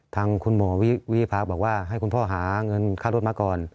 ทางคุณหมอวิภาบอกว่าให้คุณพ่อหาเงินค่ารถมาก่อน